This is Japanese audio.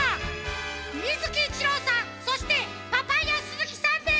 水木一郎さんそしてパパイヤ鈴木さんです！